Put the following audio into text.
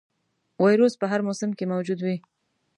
ویروس په هر موسم کې موجود وي.